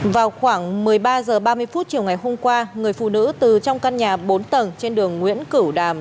vào khoảng một mươi ba h ba mươi chiều ngày hôm qua người phụ nữ từ trong căn nhà bốn tầng trên đường nguyễn cửu đàm